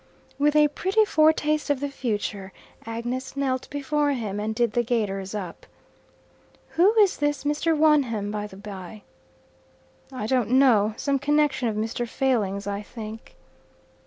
With a pretty foretaste of the future, Agnes knelt before him and did the gaiters up. "Who is this Mr. Wonham, by the bye?" "I don't know. Some connection of Mr. Failing's, I think."